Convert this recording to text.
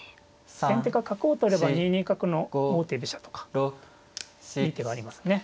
先手が角を取れば２二角の王手飛車とかいい手がありますね。